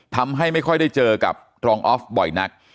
ทำให้ไม่ค่อยได้เจอกับรองออฟบ่อยนัก